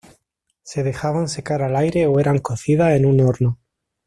Se dejaban secar al aire o eran cocidas en un horno.